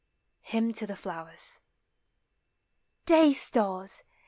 HYMN TO THE FLOWERS. Day stars!